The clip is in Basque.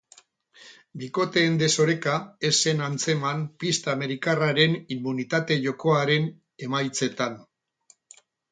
Bikoteen desoreka ez zen antzeman pista amerikarraren immunitate jokoaren emaitzetan.